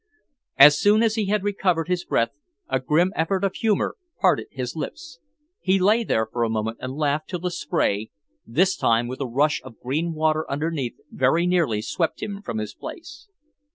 As soon as he had recovered his breath, a grim effort of humour parted his lips. He lay there for a moment and laughed till the spray, this time with a rush of green water underneath, very nearly swept him from his place.